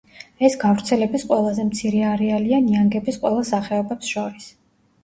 ეს გავრცელების ყველაზე მცირე არეალია ნიანგების ყველა სახეობებს შორის.